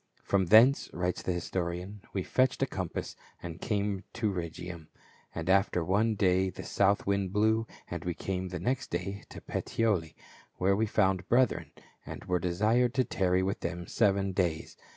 " From thence," writes the historian, " we fetched a compass, and came to Rhegium : and after one day the south wind blew, and we came the next day to Puteoli, where we found brethren, and were desired to tarry with them seven days.